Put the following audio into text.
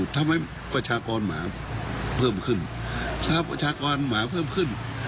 ทำให้ประชากรหมาเพิ่มขึ้นถ้าประชากรหมาเพิ่มขึ้น